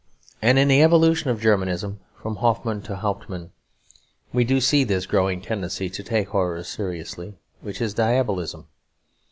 And in the evolution of Germanism, from Hoffmann to Hauptmann, we do see this growing tendency to take horror seriously, which is diabolism.